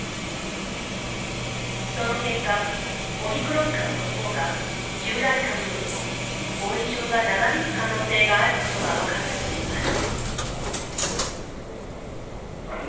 その結果、オミクロン株のほうが従来株よりも後遺症が長引く可能性があることが分かったといいます。